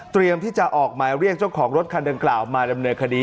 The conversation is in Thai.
เตรียมที่จะออกมาเรียกเจ้าของรถคันเดินกล่าวมาดำเนยคดี